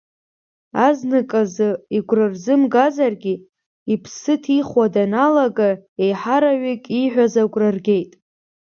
Азныказы игәра рзымгазаргьы, иԥсы ҭихуа даналага, еиҳараҩык ииҳәаз агәра ргеит.